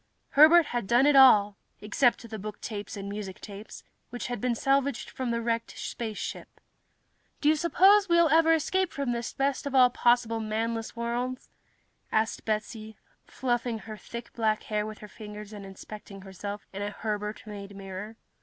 Herbert had done it all, except the booktapes and musictapes, which had been salvaged from the wrecked spaceship. "Do you suppose we'll ever escape from this best of all possible manless worlds?" asked Betsy, fluffing her thick black hair with her fingers and inspecting herself in a Herbert made mirror.